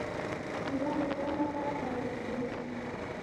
کېله د تل لپاره خوړل کېدای شي.